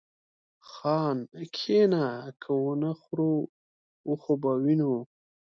خان! کښينه که ونه خورو و خو به وينو.